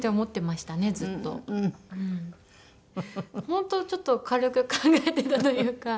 本当ちょっと軽く考えていたというか。